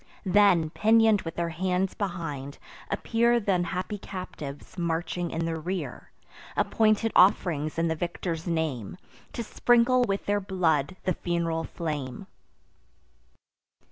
Then, pinion'd with their hands behind, appear Th' unhappy captives, marching in the rear, Appointed off'rings in the victor's name, To sprinkle with their blood the fun'ral flame.